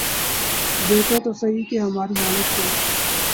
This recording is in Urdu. دیکھیں تو سہی کہ ہماری حالت کیا ہے۔